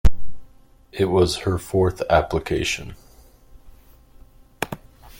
It was her fourth application.